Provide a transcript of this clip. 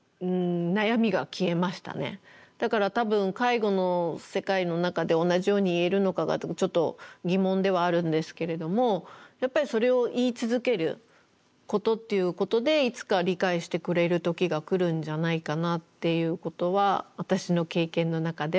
だから多分介護の世界の中で同じように言えるのかがちょっと疑問ではあるんですけれどもやっぱりそれを言い続けることっていうことでいつか理解してくれる時が来るんじゃないかなっていうことは私の経験の中では思いました